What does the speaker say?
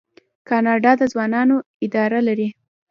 کاناډا د ځوانانو اداره لري.